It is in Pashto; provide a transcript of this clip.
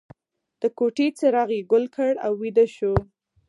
د کوټې څراغ یې ګل کړ او ویده شو